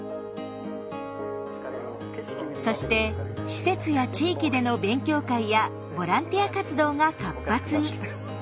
そして施設や地域での勉強会やボランティア活動が活発に。